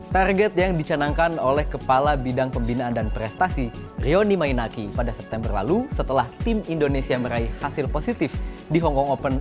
target yang dicanangkan oleh kepala bidang pembinaan dan prestasi rioni mainaki pada september lalu setelah tim indonesia meraih hasil positif di hongkong open